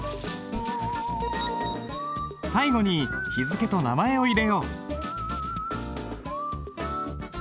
最後に日付と名前を入れよう。